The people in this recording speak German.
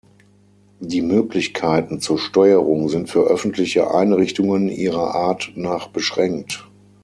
Die Möglichkeiten zur Steuerung sind für öffentliche Einrichtungen ihrer Art nach beschränkt.